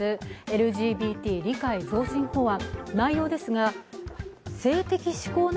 ＬＧＢＴ理解増進法案。